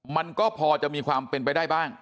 มันก็พอจะมีความเป็นไปได้บ้าง